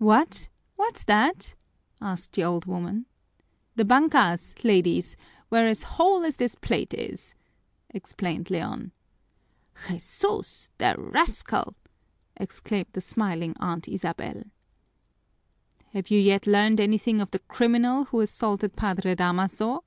"What_!_ What's that?" asked the old women. "The bankas, ladies, were as whole as this plate is," explained Leon. "Jesús! The rascal!" exclaimed the smiling Aunt Isabel. "Have you yet learned anything of the criminal who assaulted Padre Damaso?"